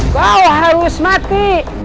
kau harus mati